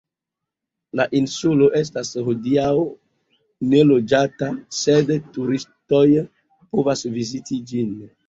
La insulo estas hodiaŭ neloĝata, sed turistoj povas viziti ĝin.